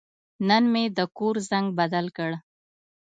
نن مې د کور زنګ بدل کړ.